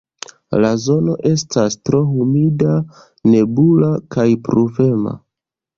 La zono estas tro humida, nebula kaj pluvema.